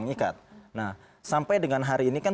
mengikat nah sampai dengan hari ini kan